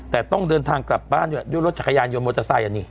แต่ต้องเดินทางกลับบ้านด้วยด้วยรถจักรยานยนมอเตอร์ไซค์อันนี้